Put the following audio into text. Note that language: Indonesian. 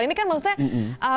ini kan maksudnya